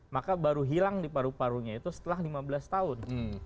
maka baru hilang di paru parunya itu setelah lima belas tahun